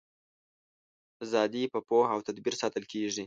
ازادي په پوهه او تدبیر ساتل کیږي.